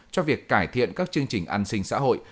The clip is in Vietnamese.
cho việc cải thiện các chương trình an sinh xã hội